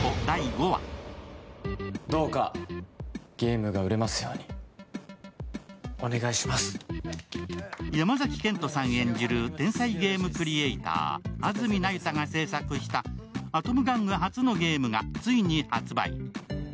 フーダブル山崎賢人さん演じる天才ゲームクリエーター、安積那由他が制作したアトム玩具初のゲームがつほに発売。